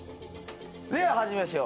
では始めましょう。